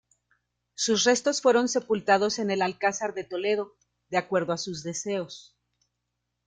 Sus restos fueron sepultados en el Alcázar de Toledo, de acuerdo a sus deseos.